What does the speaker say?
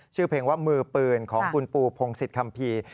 ชื่อเพลงว่ามือปืนของคุณปูพงศิษยคัมภีร์